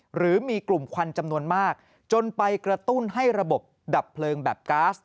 หรือมีกลุ่มควันจำนวนมากจนไปกระตุ้นให้ระบบดับเพลิงแบบก๊าซ